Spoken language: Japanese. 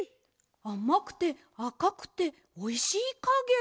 あまくてあかくておいしいかげ！